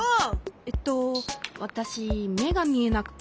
えっとわたしめがみえなくて。